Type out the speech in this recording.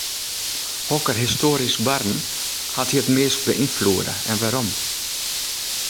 Hokker histoarysk barren hat dy it meast beynfloede en wêrom?